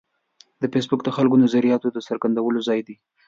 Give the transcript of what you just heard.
فېسبوک د خلکو د نظریاتو د څرګندولو ځای دی